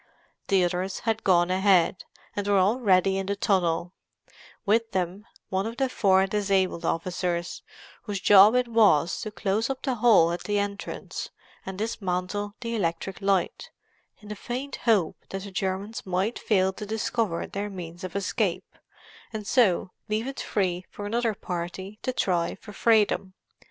The others had gone ahead, and were already in the tunnel; with them, one of the four disabled officers, whose job it was to close up the hole at the entrance and dismantle the electric light, in the faint hope that the Germans might fail to discover their means of escape, and so leave it free for another party to try for freedom.